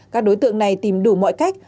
các đối tượng này tìm đủ mọi cách